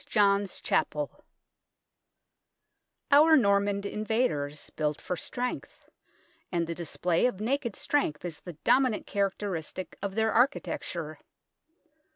JOHN'S CHAPEL OUR Norman invaders built for strength, and the display of naked strength is the dominant char acteristic of their architecture.